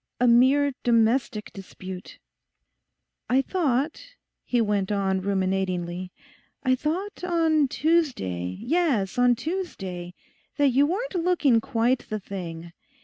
A mere domestic dispute! 'I thought,' he went on ruminatingly, 'I thought on Tuesday, yes, on Tuesday, that you weren't looking quite the thing.